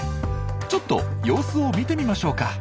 ちょっと様子を見てみましょうか。